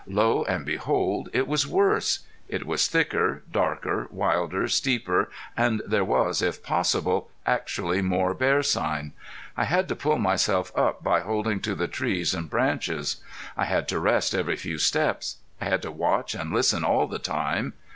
Lo and behold it was worse! It was thicker, darker, wilder, steeper and there was, if possible, actually more bear sign. I had to pull myself up by holding to the trees and branches. I had to rest every few steps. I had to watch and listen all the time.